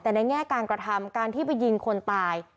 แต่ในแง่การกระทำการที่ไปยิงคนตาย